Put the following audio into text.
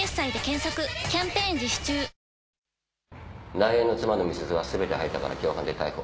内縁の妻の美鈴はすべて吐いたから共犯で逮捕。